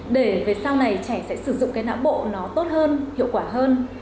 để về sau này trẻ sẽ sử dụng cái não bộ nó tốt hơn hiệu quả hơn